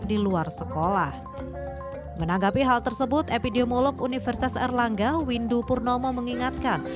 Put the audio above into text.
di luar sekolah menanggapi hal tersebut epidemiolog universitas erlangga windu purnomo mengingatkan